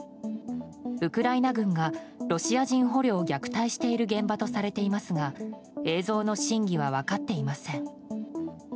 ウクライナ軍がロシア人捕虜を虐待している現場とされていますが映像の真偽は分かっていません。